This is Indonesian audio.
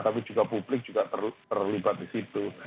tapi juga publik juga terlibat di situ